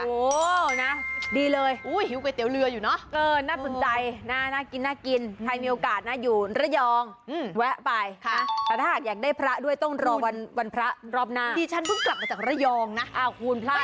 โอ้โหนะดีเลยก๋วยเตี๋ยวเรืออยู่เนอะน่าตื่นใจนะน่ากินน่ากินใครมีโอกาสอยู่ระยองไว้ไปคะหากอยากได้พระด้วยต้องรอวันวันพระรอบหน้า